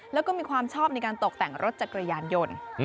แล้วก็มีความชอบในการตกแต่งรถจักรยานยนต์